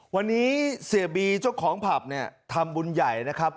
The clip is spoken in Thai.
วันนี้เสียบีเจ้าของผับเนี่ยทำบุญใหญ่นะครับ